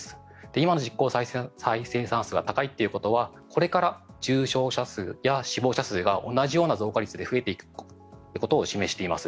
今の実効再生産数が高いということはこれから重症者数が死亡者数が同じ増加率で増えていくことを示しています。